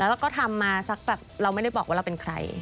แล้วก็ทำมาสักแบบเราไม่ได้บอกว่าเราเป็นใคร